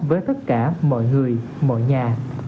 với tất cả mọi người mọi nhà